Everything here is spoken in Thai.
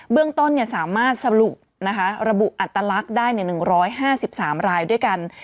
เรื่องต้นสามารถสรุประบุอัตลักษณ์ได้๑๕๓รายด้วยกัน